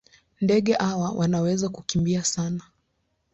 Ndege hawa wanaweza kukimbia sana.